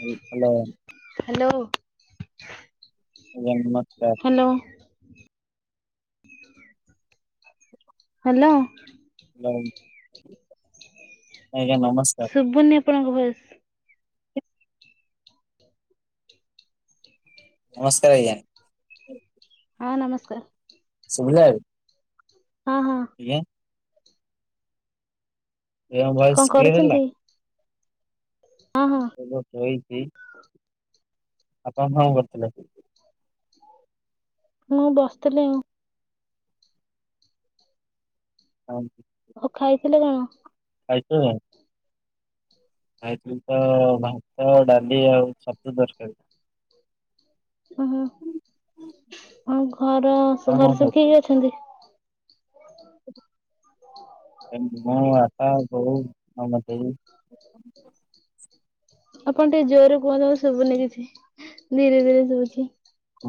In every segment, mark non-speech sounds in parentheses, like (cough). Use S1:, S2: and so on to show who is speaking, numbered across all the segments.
S1: ହଉ hello
S2: hello
S1: ନମସ୍କାର୍ (unintelligible)
S2: ହା ହାଲୋ
S1: ଯାଉ ଆଜ୍ଞା ନମସ୍ (unintelligible)
S2: ଶୁଭୁନି ଆପଣଙ୍କ ଭଏଶ୍।
S1: ନମସ୍କାର୍ ଆଞା
S2: ହଁ ନମସ୍କାର୍।
S1: ଶୁଭିଲା?
S2: ହଁ -ହଁ।
S1: ଆଜ୍ଞା। ଏବେ ମୋ ଭଏସ୍
S2: କଣ
S1: କ୍ଲିୟର ହେଲା।
S2: କରୁଛନ୍ତି? ହଁ -ହଁ।
S1: ରହିଛି। ଆପଣ କଁ କରୁଥିଲ?
S2: ମୁଁ ବସିଥିଲି।
S1: ହଁ।
S2: ହଉ ଖାଇଥିଲେ କଣ?
S1: କାଇଁଚ? ଖାଇଥିଲି ତ ଭାତ, ଡାଲି ଆଉ ଛତୁ ତରକାରୀ।
S2: ଓହୋ ଆଉ ଘର
S1: ଆପଣ କଣ
S2: ଘରେ ସବୁ କି ଅଛନ୍ତି?
S1: ମୁଁ ବାପା, ବୋଉ, ଦେଇ।
S2: ଆପଣ ଟିକେ ଜୋରେ କୁହନ୍ତୁ ଶୁଭୁନି କିଛି ଧୀରେ ଧୀରେ ଶୁଭୁଛି।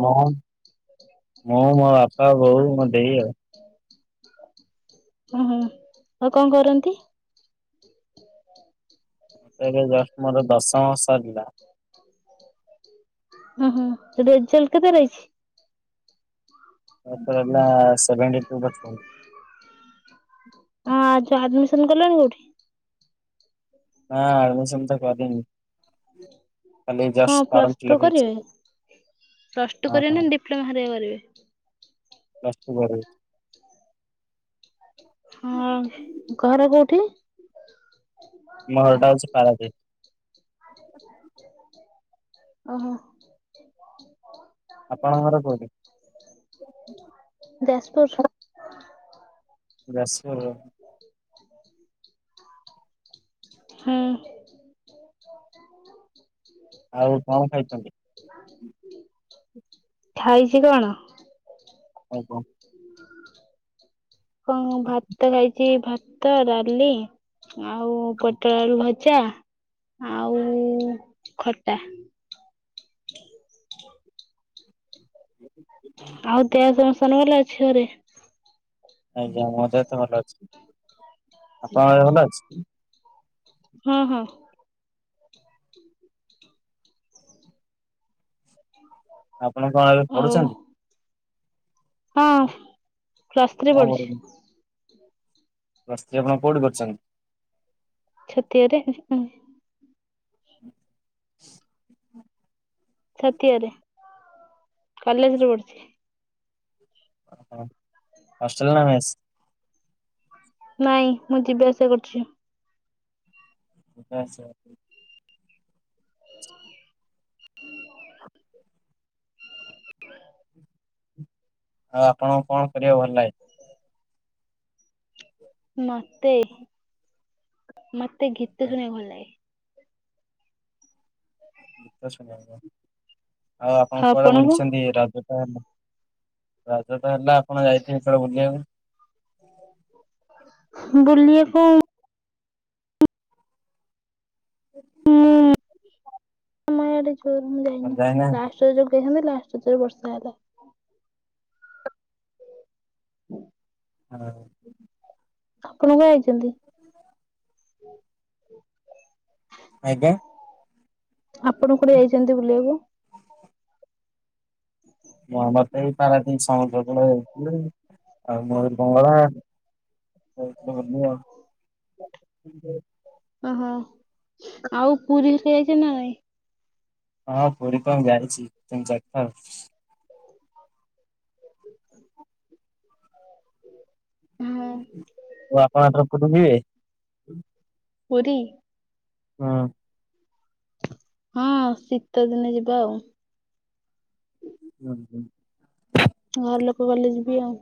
S1: ମୁଁ -ମୁଁ ମୋ ବାପା, ବୋଉ, ମୋ ଦେଇ ଆଉ।
S2: ଓ ହୋ ଆଉ କଣ କରନ୍ତି?
S1: ଏବେ ଜଷ୍ଟ୍ ମୋର ଦଶମ ସରିଲା।
S2: ଓ ହଁ ତ ରେଜଲ୍ଟ କେତେ ରହିଛି?
S1: (inaudible)
S2: ଆଁ ଯା ଆଡ୍ମିସନ୍ କଲଣି କୋଉଠି?
S1: ନାଁ ଆଡ୍ମିସନ୍ ତ କରିନି। ଖାଲି ଜଷ୍ଟ
S2: କଣ
S1: ଫର୍ମ
S2: ପ୍ଲସ୍ ଟୁ
S1: ଫିଲପ ହେଇଛି
S2: କରିବେ, ପ୍ଲସ୍ ଟୁ
S1: ହଁ
S2: କରିବେ
S1: ହଁ
S2: ନା ଡିପ୍ଲୋମା ହାରିବା କରିବେ?
S1: ପ୍ଲସ୍ ଟୁ ପଢୁ
S2: ହଁ ଘର କୋଉଠି?
S1: ମୋ ଘରଟା ହୋଉଛି ପାରାଦୀପ୍।
S2: ଓହୋ।
S1: ଆପଣଙ୍କ ଘର କୋଉଠି?
S2: ଯାଜପୁର୍।
S1: ଯାଜପୁର ରୁ।
S2: (unintelligible) ହୁଁ।
S1: ଆଉ କଣ ଖାଇଛନ୍ତି?
S2: ଖାଇଛି କଣ?
S1: ଆଉ କଣ?
S2: କଁ ମୁଁ ଭାତ ଖାଇଛି, ଭାତ, ଡାଲି ଆଉ ପୋଟଳ ଆଳୁ ଭଜା ଆଉ ଖଟା। ଆଉ ଦେହ ସମସ୍ତଙ୍କର ଅଛି ଘରେ?
S1: ଆଜ୍ଞା ମୋ ଦେହତ ଭଲ ଅଛି, ଆପଣ ଭଲ ଅଛି?
S2: ହୁଁ- ହୁଁ। (unintelligible)
S1: ଆପଣ କଣ ଏବେ
S2: ଆଉ
S1: ପଢୁଛନ୍ତି?
S2: ହଁ
S1: କଣ
S2: ପଲ୍ସଥ୍ରରୀ ପଡୁଛି।
S1: ପ୍ଳଥ୍ରୀ ଆପଣ କୋଉଠି କର୍ଚନ୍ତି?
S2: ଛତିଆରେ।
S1: ହ (unintelligible)
S2: ଛାତିଆରେ, କଲେଜ ରେ ପଢୁଛି।
S1: ଓ, ହଷ୍ଟେଲ ନା ମେସ୍?
S2: ନାଇଁ, ମୁଁ ଯିବା ଆସିବା କରୁଛି।
S1: ଆଚ୍ଛା। ଆଉ ଆପଣଙ୍କୁ କଣ କରିବାକୁ ଭଲ ଲାଗେ?
S2: ମତେ, ମତେ ଗୀତ ଶୁଣିବାକୁ ଭଲ ଲାଗେ।
S1: ଗୀତ ଶୁଣିବାକୁ ଭଲ ଲାଗେ। ଆଉ ଆପଣ କୁଆଡେ ବୁଲିଛନ୍ତି ରଜ? ରଜ ତ ହେଲା ଆପଣ ଯାଇଥିବେ କୁଆଡେ ବୁଲିବାକୁ?
S2: ବୁଲିବାକୁ
S1: ହ (unintelligible)
S2: ନାଇଁ ଇଆଡେ କୁଆଡେ ମୁଁ
S1: କଣ
S2: ଯାଇନି
S1: ଯାଇନାହାନ୍ତି?
S2: ଲାଷ୍ଟ ରଜରେ ଯାଇଥାନ୍ତି ଲାଷ୍ଟ ରଜରେ ବର୍ଷା ହେଲା।
S1: ହଁ।
S2: ଆପଣ କୁଆଡେ଼ ଯାଇଛନ୍ତି?
S1: ହ (unintelligible) ଆଜ୍ଞା।
S2: ଆପଣ କୁଆଡେ଼ ଯାଇଛନ୍ତି ବୁଲିବାକୁ?
S1: (unintelligible) (unintelligible)
S2: ଓହୋ, ଆଉ ପୁରୀ ଯାଇଛ ନା ନାଇଁ?
S1: ହଁ ପୁରୀ ତ ମୁଁ ଯାଇଛି ତିନି ଚାରି ଥର।
S2: ହଁ
S1: (unintelligible)
S2: ପୁରୀ।
S1: ହଁ।
S2: ହଁ ଶୀତ ଦିନେ ଯିବା ଆଉ।
S1: ହୁଁ ହୁଁ।
S2: ଘର ଲୋକ ଗଲେ ଯିବି ଆଉ।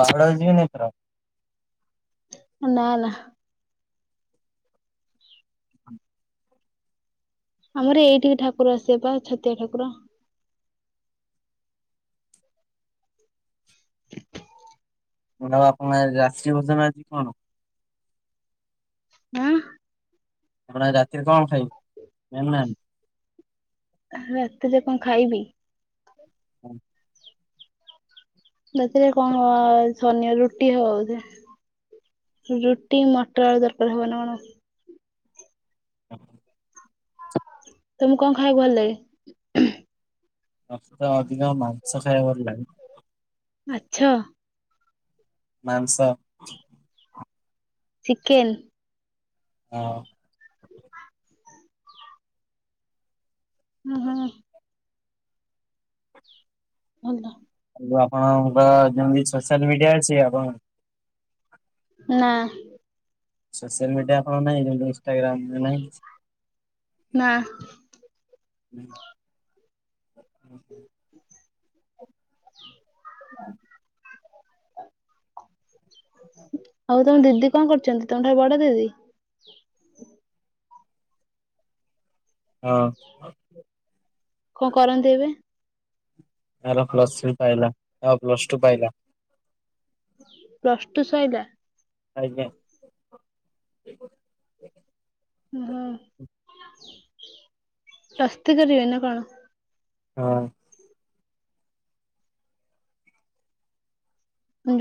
S1: ବାହୁଡ଼ା ରେ ଯିବେନି ଏଥର?
S2: ନାଁ ନାଁ। ଆମର ଏଇଠି ବି ଠାକୁର ଆସିବେ ବା ଛତିଆ ଠାକୁର।
S1: ଆପଣଙ୍କ ଆଜି ରାତ୍ରି ଭୋଜନ ଆଜି କଣ?
S2: ହାଁ।
S1: ଆପଣ ଆଜି ରାତିରେ କଣ ଖାଇବେ?
S2: ରାତିରେ କଣ ଖାଇବି?
S1: ହୁଁ।
S2: ରାତିରେ କଣ ଶନିବାର ରୁଟି ହବ ବୋଧେ। ରୁଟି, ମଟର ଆଳୁ ତରକାରୀ ହବ ନା କଣ।
S1: ହ
S2: ତମକୁ କଣ ଖାଇବାକୁ ଭଲ ଲାଗେ?
S1: ମତେ ଅଧିକ ମାଂସ ଖାଇବାକୁ ଭଲ ଲାଗେ।
S2: ଆଚ୍ଛା।
S1: ମାଂସ।
S2: ଚିକେନ।
S1: ହଁ।
S2: ହଁ ହଁ ଭଲ।
S1: ଆ ଯୋଉ ଆପଣଙ୍କର ଯେମତି ସୋସିଆଲ ମିଡିଆ ଅଛି ଆପଣ
S2: ନା।
S1: ସୋସିଆଲ ମିଡିଆ କଣ ନାହିଁ ଇନଷ୍ଟାଗ୍ରାମରେ ନାହିଁ କିଛି।
S2: ନା
S1: ହୁଁ। ହୁଁ - ହୁଁ
S2: ହ
S1: ହୁଁ
S2: ଆଉ ତମ ଦିଦି କଣ କରୁଛନ୍ତି ତମ ଠାରୁ ବଡ ଦିଦି?
S1: ହଁ।
S2: କଣ କରନ୍ତି ଏବେ?
S1: ଆର ପ୍ଲସ୍ ଥ୍ରୀ ପାଇଲା ଆଉ ପ୍ଲସ ଟୁ ପାଇଲା।
S2: ପ୍ଲସ ଟୁ ସଇଲା।
S1: ଆଜ୍ଞା।
S2: ହୁଁ ପ୍ଲସ ଥ୍ରି କରିବେ ନା କଣ?
S1: ହଁ।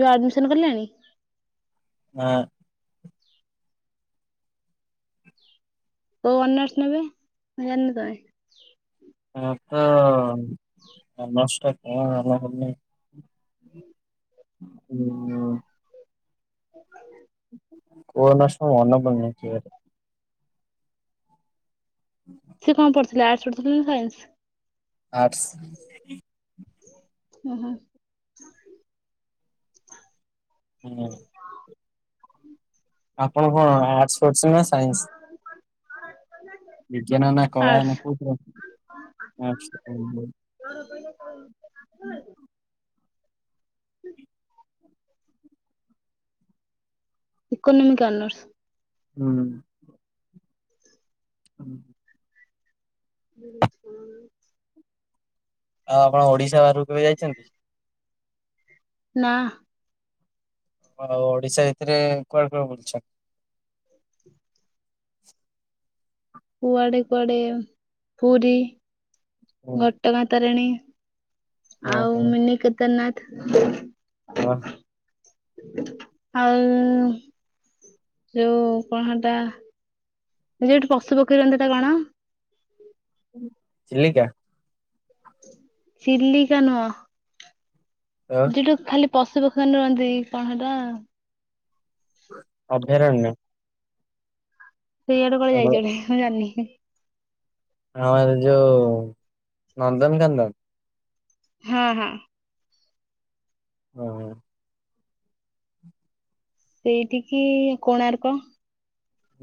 S2: ଯୋଉ ଆଡମିସନ କଲେଣି?
S1: ନା।
S2: କୋଉ ଅନର୍ସ ନେବେ ନା ଜାଣିନ ତମେ।
S1: ତାର ତ ଅନର୍ଷ ଟା କଣ ମନେ ପଡୁନି।
S2: ହଁ
S1: ହୁଁ। (unintelligible) ହୁଁ
S2: ସେ କଣ ପଢୁଥିଲେ ଆର୍ଟସ ପଢୁଥିଲେ ନା ସାଇନ୍ସ।
S1: ଆର୍ଟସ୍।
S2: ଓ ହୋ।
S1: (inaudible) ଆପଣ କଣ ଆର୍ଟସ ପଢୁଛନ୍ତି ନା ସାଇନ୍ସ? ବିଜ୍ଞାନ ନା କଳା
S2: ଆର୍ଟସ
S1: ନା କୁ (unintelligible)
S2: (inaudible) (inaudible) ଇକୋନୋମିକ ଅନର୍ଷ।
S1: ହୁଁ। ହୁଁ।
S2: (inaudible)
S1: ଆଉ ଆପଣ ଓଡିଶା ବାହାରକୁ କେବେ ଯାଇଛନ୍ତି?
S2: ନା।
S1: ଆଉ ଓଡିଶା ଭିତରେ କୁଆଡେ କୁଆଡ଼େ ବୁଲିଛନ୍ତି।
S2: କୁଆଡେ କୁଆଡେ ପୁରୀ ଘଟଗାଁ ତାରିଣୀ।
S1: ଓହୋ
S2: ଆଉ
S1: ହଁ
S2: ମିନି କେଦାରନାଥ।
S1: ହଁ।
S2: ଆଉ ଯୋଉ କଣ ହତା ଯୋଉଠି ପଶୁ ପକ୍ଷୀ ରହନ୍ତି ସେଇଟା କଣ?
S1: ଚିଲିକା।
S2: ଚିଲିକା ନୁହଁ?
S1: ଆଉ
S2: ଯିଠୁ ଖାଲି ପଶୁ ପକ୍ଷୀମାନେ ରୁହନ୍ତି କଣ ସେଟା?
S1: ଅଭୟାରଣ୍ୟ।
S2: ସିଆଡେ କୁଆଡେ
S1: ଆମ
S2: ଯାଇଛନ୍ତି ମୁଁ ଜାଣିନି।
S1: ହଁ ଯୋଉ ନନ୍ଦନକାନନ।
S2: ହୁଁ ହୁଁ।
S1: ଓହୋ।
S2: ସେଇଠି କି କୋଣାର୍କ।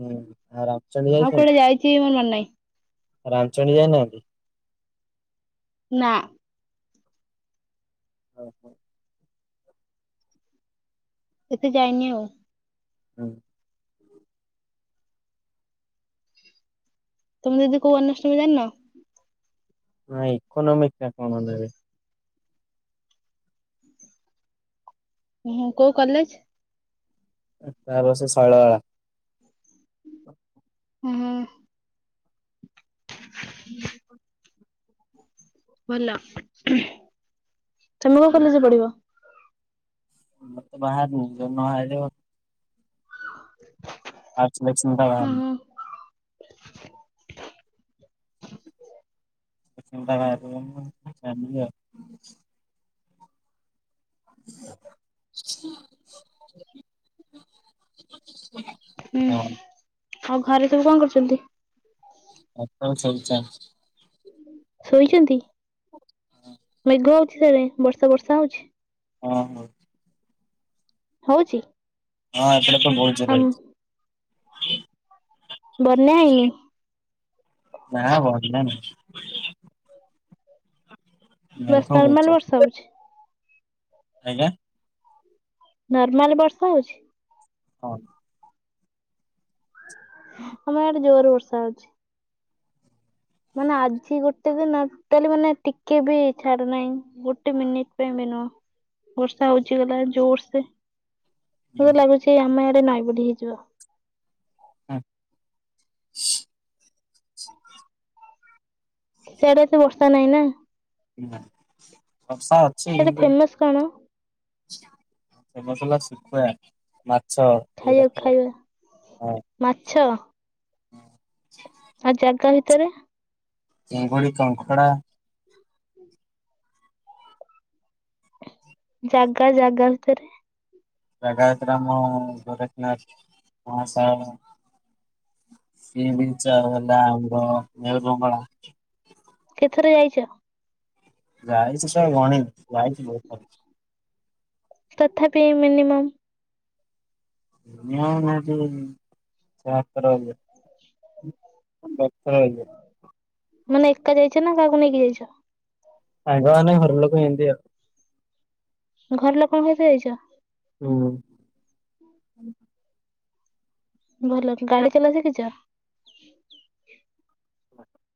S1: ହୁଁ। ଆଉ ରାମଚଣ୍ଡୀ।
S2: ଆଉ
S1: ଯାଇଛନ୍ତି?
S2: କୁଆଡେ ଯାଇଛି ମୋ ମନ ନାହିଁ।
S1: ରାମଚଣ୍ଡୀ ଯାଇନାହାନ୍ତି?
S2: ନା।
S1: ଓହୋ।
S2: ଏତେ ଯାଇନି ଆଉ।
S1: ହୁଁ।
S2: ତମେ ଯଦି କୋଉ ଅନ୍ୟଷ୍ଟମ ଜାଣିନ?
S1: ନାଁଇ ଇକୋନୋମିକ୍ ନା କଣରେ?
S2: ହୁଁ କୋଉ କଲେଜ?
S1: ତା ବସ ଶୈଳଵାଳା। ହ (unintelligible)
S2: ହୁଁ ହୁଁ।
S1: ହୁଁ।
S2: ଭଲ ତମେ କୋଉ କଲେଜରେ ପଢିବ?
S1: ମତେ ବାହାରନି ଜମା ବାହାରିବ।
S2: ହଁ।
S1: ଆର୍ ସିଲକସନ୍ ଟା ବାହାରିନି। (unintelligible)
S2: ହୁଁ
S1: ହଁ
S2: ଆଉ ଘରେ ସବୁ କଣ କରୁଛନ୍ତି?
S1: (inaudible)
S2: ଶୋଇଛନ୍ତି ମେଘ ଉଠେଇଲାଣି ବର୍ଷା ବର୍ଷା ହଉଛି?
S1: ହଁ ହଁ।
S2: ହଉଛି।
S1: ହଁ ଏପଟେ ତ ବହୁତ ଜୋର
S2: ଆମ
S1: ହେଇଛି।
S2: ବନ୍ୟା ହେଇନି?
S1: ନା ବନ୍ୟା ନାହିଁ।
S2: (unintelligible)
S1: ମେଘ ବହୁତ
S2: ନର୍ମାଲ
S1: ଜୋରେ।
S2: ବର୍ଷା ହଉଛି।
S1: ଆଜ୍ଞା।
S2: ନର୍ମାଲ ବର୍ଷା ହଉଛି।
S1: ହଁ।
S2: ଆମ ଆଡେ ଜୋର ବର୍ଷା ହଉଛି। ମାନେ ଆଜି ଗୋଟେ ଦିନ ତାହେଲେ ମାନେ ଟିକେ ବି ଛାଡୁନାହିଁ। ଗୋଟେ ମିନିଟ ପାଇଁ ବି ନୁହ ବର୍ଷା ହଉଚିଗଲା ଜୋରସେ।
S1: ହୁଁ
S2: ମ ଲାଗୁଛି ଆମେ ଆଡେ ନାଇଁ ହେଇଯିବ।
S1: ହୁଁ।
S2: ସେଇଆଡେ ଏତେ ବର୍ଷା ନାହିଁ ନା।
S1: ବର୍ଷା ଅଛି।
S2: ସେଆଡେ ଫେମସ୍ କଣ
S1: କୁଲା କୁଲା ଶୁଖୁଆ ମାଛ।
S2: ଖାଇବା ଖାଇବା
S1: ହଁ
S2: ମାଛ ଆଉ ଚାରି ଟା ଭିତରେ।
S1: ଚିଙ୍ଗୁଡ଼ି କଙ୍କଡା।
S2: ଜାଗା ଜାଗା ଭିତରେ
S1: ଜାଗା ଭିତରେ ଆମ ଗୋରଖନାଥ ମହାଶୟ। (unintelligible) ଚଉ ହେଲା ଆମର ଦିଅବଙ୍ଗଳା
S2: କେତେଥର ଯାଇଚ।
S1: ଗାାଇଛି ସ ଗଣି ଗାାଇଛି ବହୁତ (unintelligible)
S2: ତଥାପି ମିନିମମ୍।
S1: ସୋତ (unintelligible) ବଥ ହେଇଯାଏ।
S2: ମାନେ ଏକା ଯାଇଚ ନା କାହାକୁ ନେଇକି ଯାଇଚ।
S1: ସାଙ୍ଗମାନେ ଘର ଲୋକ ଏମିତି ଆଉ।
S2: ଘର ଲୋକଙ୍କ ସହିତ ଯାଇଚ।
S1: ହୁଁ।
S2: ଭଲ ଗାଡି ଚଲା ଶଖିଚ?
S1: ହ (unintelligible)